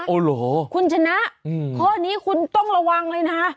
โอ้โหคุณชนะข้อนี้คุณต้องระวังเลยนะ